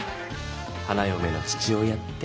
花よめの父親って。